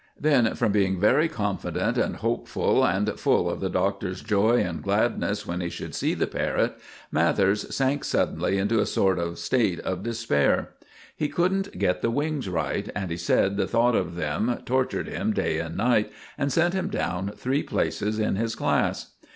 Then, from being very confident and hopeful and full Of the Doctor's joy and gladness when he should see the parrot, Mathers sank suddenly into a sort of state of despair. He couldn't get the wings right, and he said the thought of them tortured him day and night and sent him down three places in his class.